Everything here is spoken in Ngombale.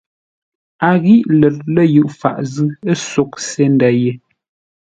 A ghíʼ lə̌r lə̂ yʉʼ faʼ zʉ́, ə́ sóghʼ se ndə̂ ye.